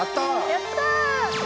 やった。